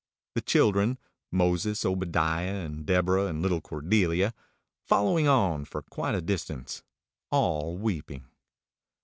The children Moses, and Obadiah, and Deborah, and little Cordelia following on for quite a distance, all weeping.